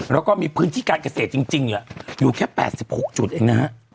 แล้วก็มีพื้นที่การเกษตรจริงอยู่แค่๘๖จุดเองนะฮะ